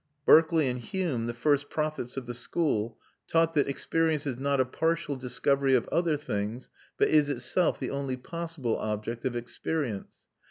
Berkeley and Hume, the first prophets of the school, taught that experience is not a partial discovery of other things but is itself the only possible object of experience.